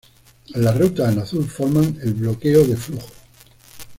Las rutas en azul forman el bloqueo de flujo.